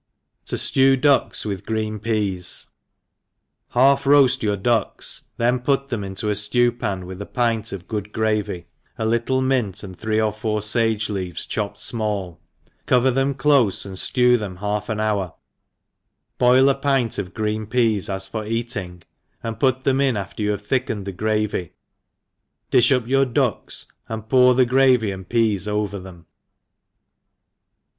T^o Jlew Ducks with Green Peas. HALF rcaft your ducks, then put them into a flew pan with a pint of good grayy^ alittle mint, and three or four fage leaves chopped fmall, cover them clofe and flew them half an hour, boil a pint of green peas as for eating, and put them in after you have thickened the gravy 5 difli up your ducks and pour the gravy and peas over them.